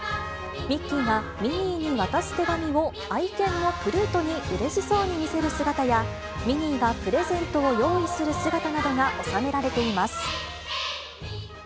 ミッキーがミニーに渡す手紙を愛犬のプルートにうれしそうに見せる姿や、ミニーがプレゼントを用意する姿などが収められています。